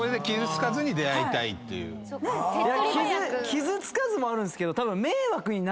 傷つかずもあるんすけど。